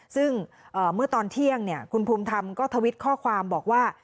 ซึ่งเมื่อตอนเที่ยงคุณภูมิธรรมก็ทวิตข้อความบอกว่า